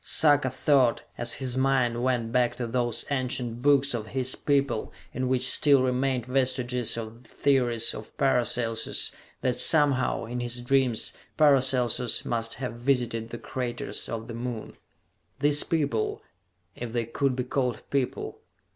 Sarka thought, as his mind went back to those ancient books of his people in which still remained vestiges of the theories of Paracelsus, that somehow, in his dreams, Paracelsus must have visited the craters of the Moon. These people ... if they could be called people....